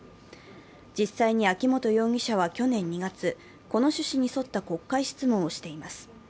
実際に秋本容疑者は去年２月、この趣旨に沿った国会質問をしています。